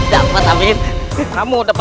sudah tidak ada rindu apa apa